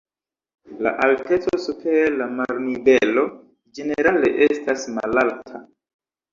La alteco super la marnivelo ĝenerale estas malalta.